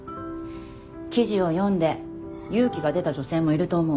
記事を読んで勇気が出た女性もいると思う。